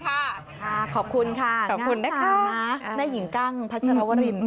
ขอบคุณค่ะได้ค่ะนายหญิงกั้งพัชรวริน